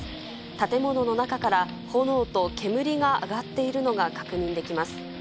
建物の中から炎と煙が上がっているのが確認できます。